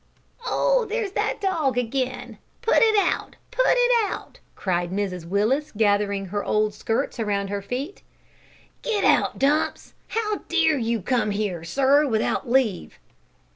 "Oh, there's that dog again! Put it out! put it out!" cried Mrs Willis, gathering her old skirts around her feet. "Get out, Dumps! how dare you come here, sir, without leave?"